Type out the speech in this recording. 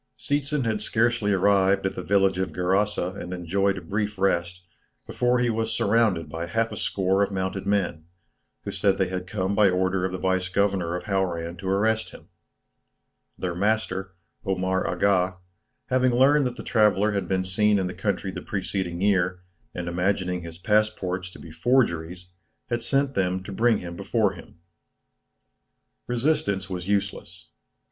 Seetzen had scarcely arrived at the village of Gerasa and enjoyed a brief rest, before he was surrounded by half a score of mounted men, who said they had come by order of the vice governor of Hauran to arrest him. Their master, Omar Aga, having learned that the traveller had been seen in the country the preceding year, and imagining his passports to be forgeries, had sent them to bring him before him. Resistance was useless.